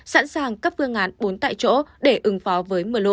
sẵn sàng các phương án bốn tại chỗ để ứng phó với mưa lũ